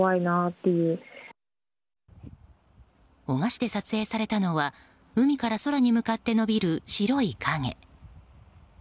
男鹿市で撮影されたのは海から空に向かって延びる白い影。